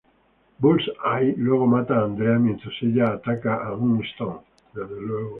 Bullseye luego mata a Andrea mientras ella ataca a Moonstone.